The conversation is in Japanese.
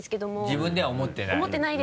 自分では思ってない？